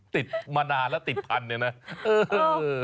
ติดมานานแล้วติดพันธุ์อย่างนั้นเออ